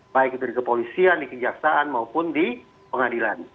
baik itu di kepolisian di kejaksaan maupun di pengadilan